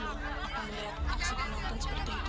atau melihat aksi penonton seperti itu